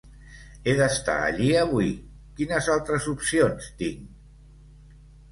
He d'estar allí avui, quines altres opcions tinc?